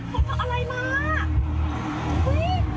หุ้ยหุ้ยสิผมเอาอะไรมาหวีมาจร้อยครับพี่